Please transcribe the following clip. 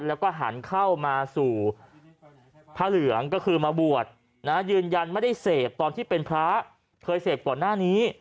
แล้วก็หันเข้ามาสู่พระเหลืองก็คือมาบวชนะยืนยันไม่ได้เสพตอนที่เป็นพระเคยเสพก่อนหน้านี้